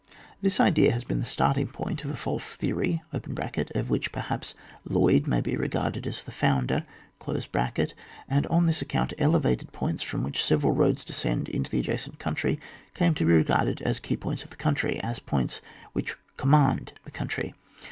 This idea has been the starting point of a false theory (of which, perhaps, Lloyd may be re garded as the founder) ; and on this account, elevated points irom which seve ral roads descend into the adjacent country, came to be regarded as the key points of the coimtry— as points which command the coimtry.